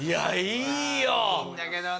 いいよ